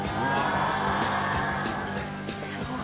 すごい。